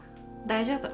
大丈夫。